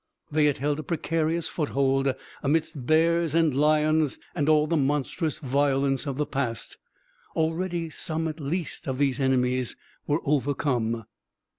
They had held a precarious foothold amidst bears and lions and all the monstrous violence of the past. Already some at least of these enemies were overcome....